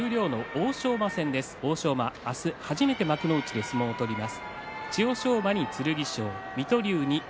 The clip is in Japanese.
欧勝馬は初めて幕内で相撲を取ります。